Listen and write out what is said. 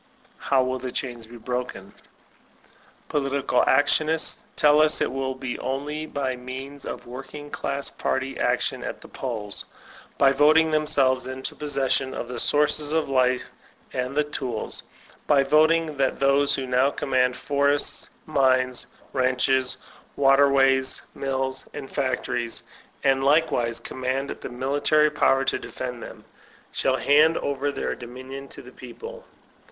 How will the chains be broken ? Political actionists tell us it will be only by means of working class party action at the polls ; by voting them selves into possession of the sources of life and the tools ; by voting that those who now conunand forests, mines, ranches, waterways, mills and factories, and likewise command the military power to defend them, shall hand over their dominion to the people.